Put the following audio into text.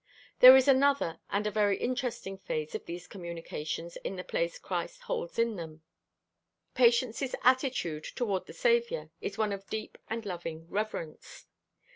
There is another and a very interesting phase of these communications in the place Christ holds in them. Patience's attitude toward the Savior is one of deep and loving reverence.